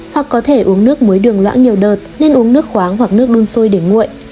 hoặc có thể uống nước muối đường lão nhiều đợt nên uống nước khoáng hoặc nước đun sôi để nguội